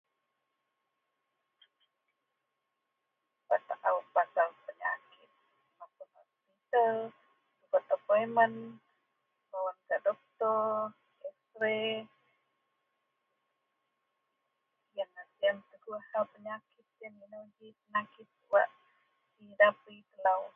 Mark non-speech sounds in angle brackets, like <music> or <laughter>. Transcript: . Bak taou pasel penyakit mapun hospital, subet appointment bawen gak doktor, x ray, yenlah siyen petegoh <unintelligible> penyakit, inou ji penyakit wak dihidapi telou